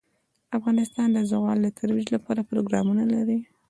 افغانستان د زغال د ترویج لپاره پروګرامونه لري.